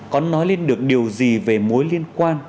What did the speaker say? có nói lên được điều gì về mối liên quan